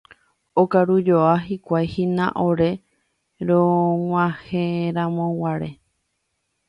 Okarujoa hikuái hína ore rog̃uahẽramoguare.